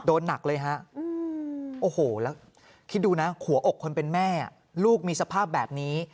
โอ้โหแล้วคิดดูนะหัวอกคนเป็นแม่ลูกมีสภาพแบบนี้